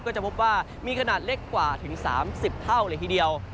ก็จะพบว่ามีขนาดเล็กกว่าถึง๓๐เท่าเลยทีเดียว